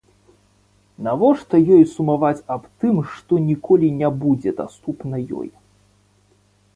Нашто ёй сумаваць аб тым, што ніколі не будзе даступна ёй?